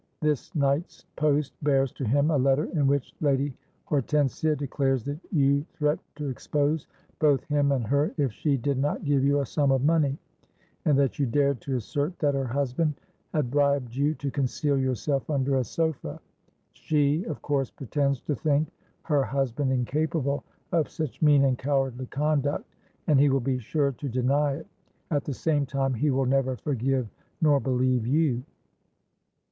'This night's post bears to him a letter in which Lady Hortensia declares that you threatened to expose both him and her if she did not give you a sum of money; and that you dared to assert that her husband had bribed you to conceal yourself under a sofa. She of course pretends to think her husband incapable of such mean and cowardly conduct; and he will be sure to deny it; at the same time he will never forgive nor believe you.'